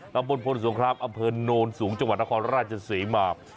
บ้านพลสงครามอเภินนนต์สูงจังหวัดนครราชสีมาบ